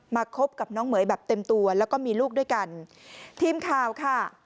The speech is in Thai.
คบกับน้องเหม๋ยแบบเต็มตัวแล้วก็มีลูกด้วยกันทีมข่าวค่ะ